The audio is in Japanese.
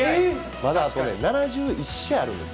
まだあとね、７１試合あるんです。